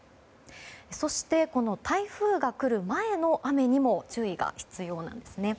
そして、台風が来る前の雨にも注意が必要なんです。